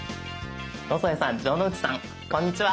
野添さん城之内さんこんにちは！